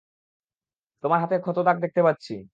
তোমার হাতে ক্ষত দাগ দেখতে পাচ্ছি।